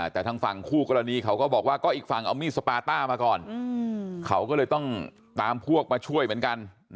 แต่ทางฝั่งคู่กรณีเขาก็บอกว่าก็อีกฝั่งเอามีดสปาต้ามาก่อนเขาก็เลยต้องตามพวกมาช่วยเหมือนกัน